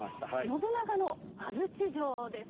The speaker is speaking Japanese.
信長の安土城ですよ。